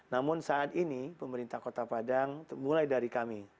namun saat ini pemerintah kota padang mulai dari kami